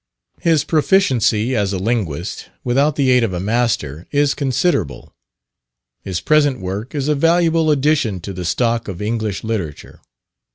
His proficiency as a linguist, without the aid of a master, is considerable. His present work is a valuable addition to the stock of English literature.